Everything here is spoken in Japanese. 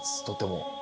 とても。